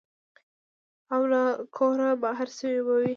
او له کوره بهر شوي به وي.